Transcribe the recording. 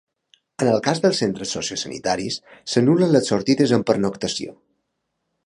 En el cas dels centres sociosanitaris, s’anul·len les sortides amb pernoctació.